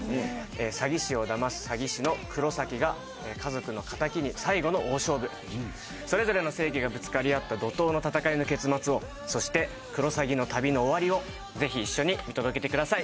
詐欺師をだます詐欺師の黒崎が家族の敵に最後の大勝負それぞれの正義がぶつかり合った怒濤の戦いの結末をそしてクロサギの旅の終わりをぜひ一緒に見届けてください